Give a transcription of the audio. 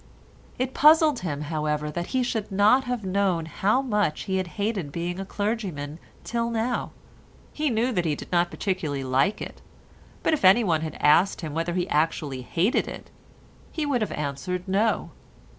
It puzzled him, however, that he should not have known how much he had hated being a clergyman till now. He knew that he did not particularly like it, but if anyone had asked him whether he actually hated it, he would have answered no.